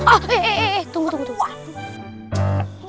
ah eh eh tunggu tunggu tunggu